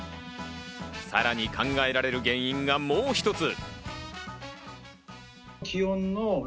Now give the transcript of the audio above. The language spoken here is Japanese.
さらに考えられる原因がもう一つ。